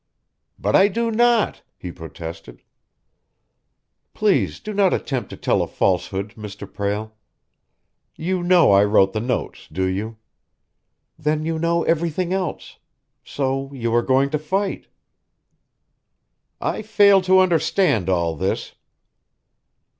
"But I do not!" he protested. "Please do not attempt to tell a falsehood, Mr. Prale. You know I wrote the notes, do you? Then you know everything else. So you are going to fight." "I fail to understand all this."